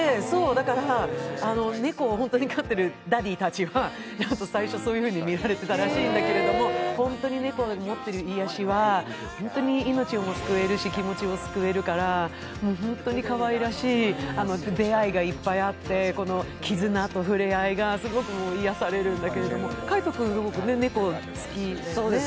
だから、猫を飼っているダディたちは、最初、そういうふうに見られてたらしいんだけれども、本当に猫の持っている癒しは、命をも救えるし気持ちを救えるから、ホントにかわいらしい出会いがいっぱいあってこの絆とふれあいがすごく癒やされるんだけれども、海音君、すごく猫好きよね？